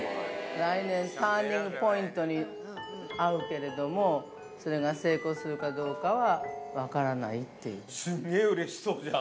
来年、ターニングポイントに遭うけれども、それが成功するかどうかは分すげぇ、うれしそうじゃん。